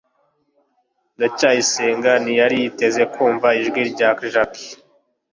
ndacyayisenga ntiyari yiteze kumva ijwi rya jaki